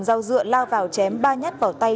dao dựa lao vào chém ba nhát vào tay